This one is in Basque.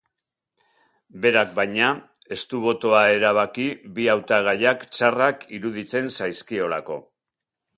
Berak, baina, ez du botoa erabaki bi hautagaiak txarrak iruditzen zaizkiolako.